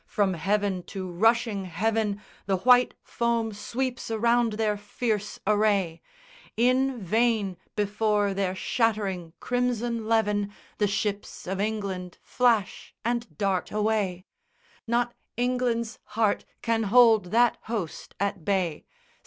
From heaven to rushing heaven The white foam sweeps around their fierce array; In vain before their shattering crimson levin The ships of England flash and dart away: Not England's heart can hold that host at bay!